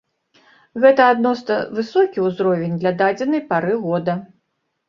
Гэта адносна высокі ўзровень для дадзенай пары года.